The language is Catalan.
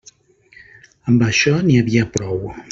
Amb això n'hi havia prou.